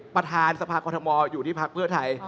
ประธานสภากรทมอยู่ที่พักเพื่อไทย